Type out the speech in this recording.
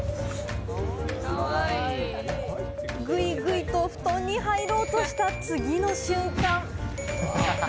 グイグイと布団に入ろうとした次の瞬間。